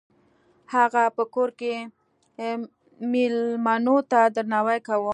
هغه په کور کې میلمنو ته درناوی کاوه.